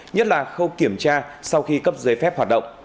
nhất là khâu kiểm tra sau khi cấp giấy phép hoạt động